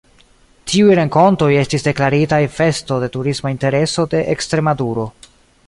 Tiuj renkontoj estis deklaritaj Festo de Turisma Intereso de Ekstremaduro.